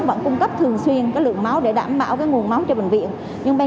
vẫn cung cấp thường xuyên lượng máu để đảm bảo nguồn máu cho bệnh viện